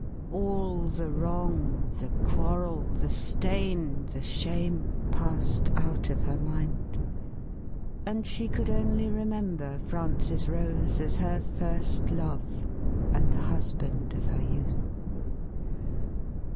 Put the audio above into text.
All the wrong, the quarrel, the stain, the shame, passed out of her mind, and she could only remember Francis Rose as her first love and the husband of her youth.